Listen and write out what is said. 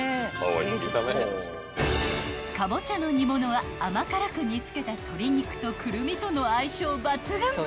［カボチャの煮物は甘辛く煮付けた鶏肉とくるみとの相性抜群］